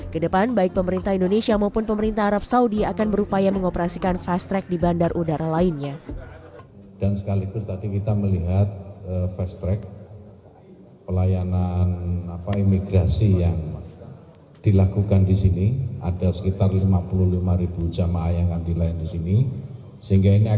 kedepan baik pemerintah indonesia maupun pemerintah arab saudi akan berupaya mengoperasikan fast track di bandar udara lainnya